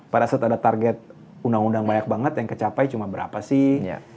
pada saat ada target undang undang banyak banget yang kecapai cuma berapa sih